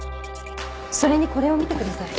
それにこれを見てください。